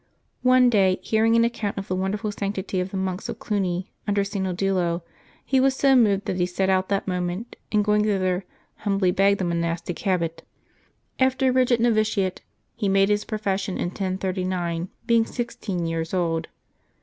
One day, hearing an account of the wonderful sanctity of the monks of Cluny, under St. Odilo, he was so moved that he set out that moment, and going thither, humbly begged the monas APBiL 30] LIVES OF TEE SAINTS 163 tic habit. After a rigid novitiate, he made his profession in 1039, being sixteen years old.